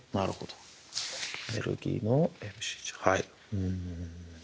うん。